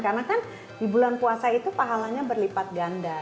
karena kan di bulan puasa itu pahalanya berlipat ganda